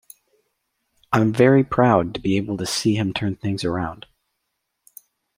I'm very proud to be able to see him turn things around.